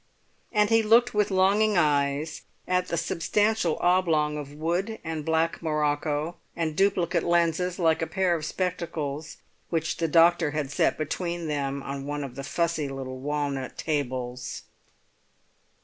And he looked with longing eyes at the substantial oblong of wood and black morocco, and duplicate lenses like a pair of spectacles, which the doctor had set between them on one of the fussy little walnut tables.